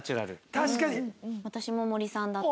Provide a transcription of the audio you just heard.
確かに！